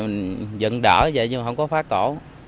mình dựng đỡ vậy nhưng không có phá cổ